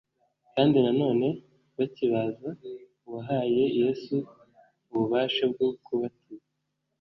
kandi na none bakibaza uwahaye Yesu ububasha bwo kubatiza.